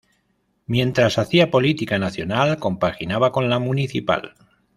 Mientras hacia política nacional, compaginaba con la municipal.